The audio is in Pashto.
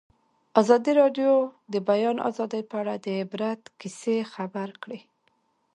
ازادي راډیو د د بیان آزادي په اړه د عبرت کیسې خبر کړي.